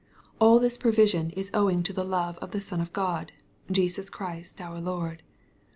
( All this provision is owing to the love of the Son of God, Jesus Christ our Lord.